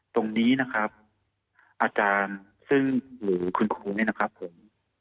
ตรงนี้นะครับอาจารย์ซึ่งหรือคุณครูนี่นะครับผม